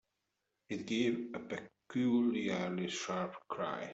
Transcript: It gave a peculiarly sharp cry.